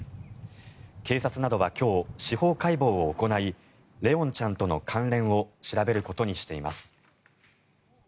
警察などは今日、司法解剖を行い怜音ちゃんとの関連を調べることにしています。